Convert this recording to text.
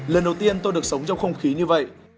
lần đầu tiên tôi được sống trong không khí như vậy